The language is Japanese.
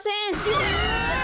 うわ！